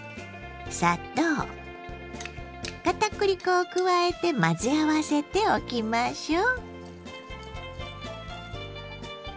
を加えて混ぜ合わせておきましょう。